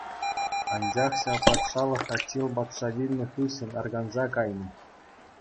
Анчах ҫав патшалӑх Аттил патша вилнӗ хыҫҫӑн арканса кайнӑ.